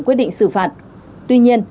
quyết định xử phạt tuy nhiên